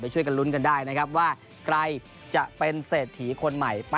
ไปช่วยกำลังลุ้นกันได้ว่าใครจะเป็นเศรษฐีคนใหม่